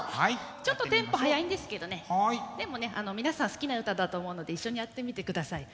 ちょっとテンポ速いんですけどねでもね皆さん好きな歌だと思うので一緒にやってみてください。